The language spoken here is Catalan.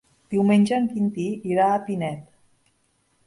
Diumenge en Quintí irà a Pinet.